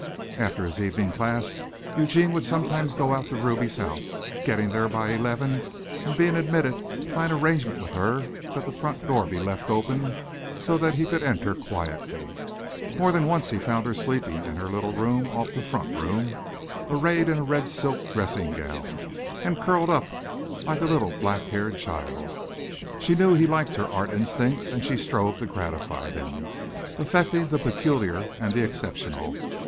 After his evening class Eugene would sometimes go out to Ruby's house, getting there by eleven and being admitted by an arrangement with her that the front door be left open so that he could enter quietly. More than once he found her sleeping in her little room off the front room, arrayed in a red silk dressing gown and curled up like a little black haired child. She knew he liked her art instincts and she strove to gratify them, affecting the peculiar and the exceptional.